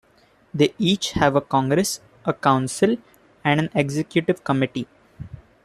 They each have a congress, a council, and an executive committee.